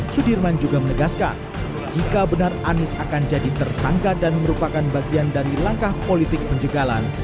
sudirman juga menegaskan jika benar anies akan jadi tersangka dan merupakan bagian dari langkah politik penjegalan